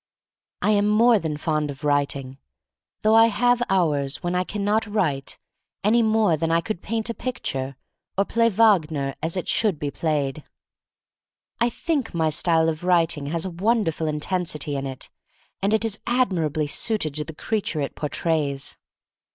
I am more than fond of writing, though I have hours when I can not write any more than I could paint a picture, or play Wagner as it should be played. I think my style of writing has a wonderful intensity in it, and it is ad mirably suited to the creature it por 89 go THE STBORY OF MARY MAC LANE trays.